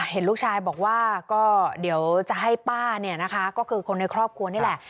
เห็นลูกชายบอกว่าก็เดี๋ยวจะให้ป้าเนี่ยนะคะก็คือคนในครอบครัวนี่แหละ